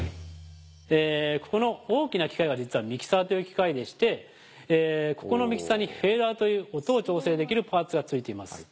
・ここの大きな機械が実はミキサーという機械でしてここのミキサーにフェーダーという音を調整できるパーツが付いています・・